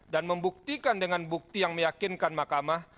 dan membuktikan dengan bukti yang meyakinkan mahkamah